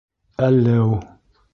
Әллеү!..